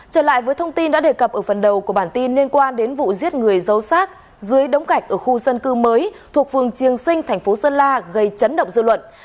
trở lại với thông tin đã đề cập ở phần đầu của bản tin liên quan đến vụ giết người giấu sát dưới đống gạch ở khu dân cư mới thuộc phường triềng sinh thành phố sơn la gây chấn động dư luận